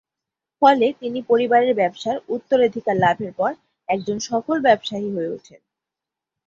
ফলে তিনি পরিবারের ব্যবসার উত্তরাধিকার লাভের পর একজন সফল ব্যবসায়ী হয়ে ওঠেন।